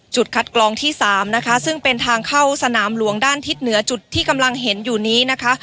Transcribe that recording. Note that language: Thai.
คัดกรองที่สามนะคะซึ่งเป็นทางเข้าสนามหลวงด้านทิศเหนือจุดที่กำลังเห็นอยู่นี้นะคะ